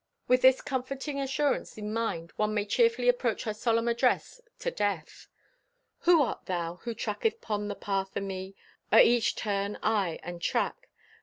With this comforting assurance in mind one may cheerfully approach her solemn address to Death: Who art thou, Who tracketh 'pon the path o' me— O' each turn, aye, and track?